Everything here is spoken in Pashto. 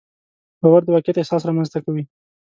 باور د واقعیت احساس رامنځته کوي.